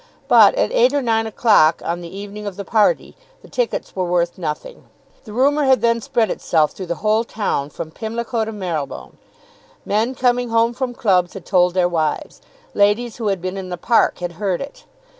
But at eight or nine o'clock on the evening of the party the tickets were worth nothing. The rumour had then spread itself through the whole town from Pimlico to Marylebone. Men coming home from clubs had told their wives. Ladies who had been in the park had heard it.